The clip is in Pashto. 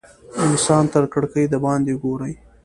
انسان تر کړکۍ د باندې ګوري.